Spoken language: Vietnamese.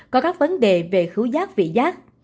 có các vấn đề về khứu giác vị giác